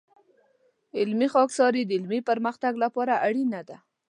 علمي خاکساري د علمي پرمختګ لپاره اړینه ده.